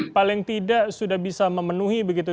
paling tidak sudah bisa memenuhi begitu